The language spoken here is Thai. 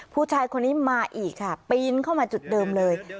ผู้ชายคนนี้มาอีกค่ะปีนเข้ามาจุดเดิมเลย